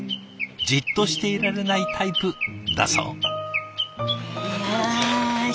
じっとしていられないタイプだそう。